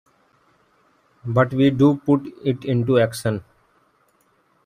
But we do put it into action.